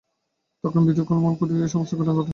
তখন বিধু এবং বনমালী কুটিরের সমস্ত ঘটনা বর্ণনা করিল।